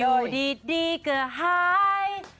อยู่ดีก็ไฮ